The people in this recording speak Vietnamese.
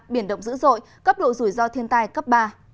biển động dữ dội cấp độ rủi ro thiên tai cấp ba